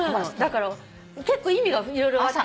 だから結構意味が色々あって。